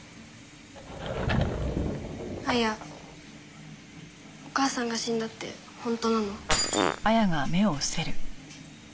亜矢お母さんが死んだって本当なの？